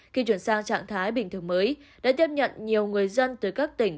khi chuyển sang trạng thái bình thường mới đã tiếp nhận nhiều người dân từ các tỉnh